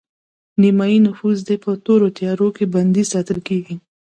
نیمایي نفوس دې په تورو تیارو کې بندي ساتل کیږي